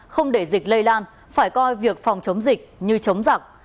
không để dịch lây lan phải coi việc phòng chống dịch như chống giặc